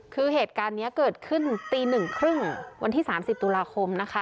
คือเหตุการณ์เนี้ยเกิดขึ้นตีหนึ่งครึ่งวันที่สามสิบตุลาคมนะคะ